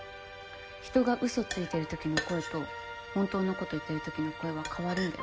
人がうそついてるときの声と本当のこと言ってるときの声は変わるんだよ。